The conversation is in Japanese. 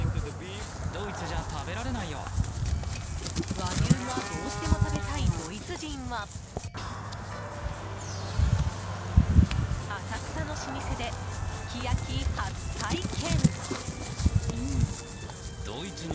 和牛がどうしても食べたいドイツ人は浅草の老舗ですき焼き初体験。